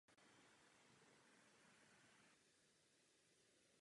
Západním směrem od místa někdejšího památného stromu se nachází koryto řeky Smědé.